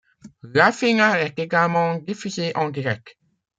La finale est également diffusée en direct.